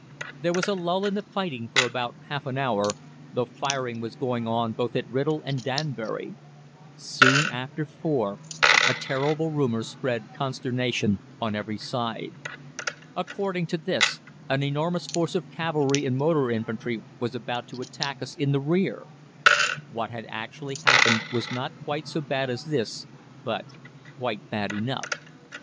There was a lull in the fighting for about half an hour, though firing was going on both at Writtle and Danbury. Soon after four a terrible rumour spread consternation on every side. According to this, an enormous force of cavalry and motor infantry was about to attack us in the rear. What had actually happened was not quite so bad as this, but quite bad enough.